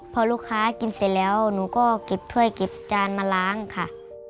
พอลูกค้ากินเสร็จแล้วหนูก็เก็บถ้วยเก็บจานมาล้างค่ะ